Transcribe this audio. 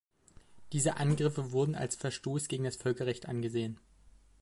Diese Angriffe wurde als Verstoß gegen das Völkerrecht angesehen.